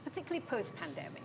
terutama setelah pandemi